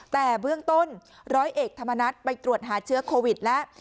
แต่เบื้องต้นร้อยเอกธรรมนัฏไปตรวจหาเชื้อโควิดแล้ว